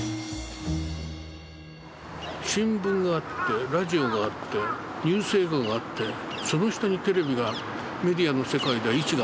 新聞があってラジオがあってニュース映画があってその下にテレビがメディアの世界では位置がありましたでしょ。